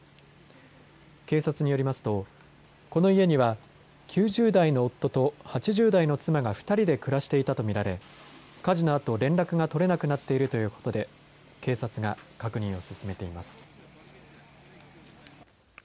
警察によりますとこの家には９０代の夫と８０代の妻が２人で暮らしていたと見られ火事のあと連絡が取れなくなっているということで警察が確認を進めています。